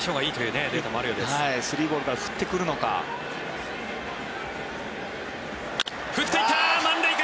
３ボールから振ってくるのか。